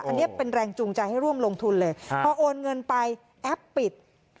อันนี้เป็นแรงจูงใจให้ร่วมลงทุนเลยพอโอนเงินไปแอปปิด